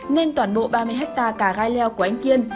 nên toàn bộ ba mươi hectare cà rai leo của anh kiên